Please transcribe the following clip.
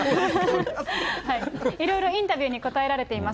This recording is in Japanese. いろいろインタビューに答えられています。